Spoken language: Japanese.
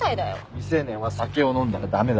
未成年は酒を飲んだら駄目だ。